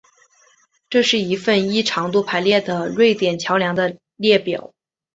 这是一份依长度排列的瑞典桥梁的列表